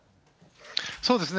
そうですね。